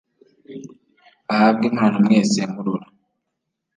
bahabwe impano mwese murora